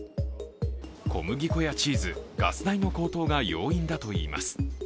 小麦粉やチーズ、ガス代の高騰が要因だといいます。